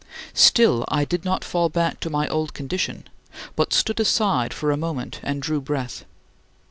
Still I did not fall back to my old condition, but stood aside for a moment and drew breath.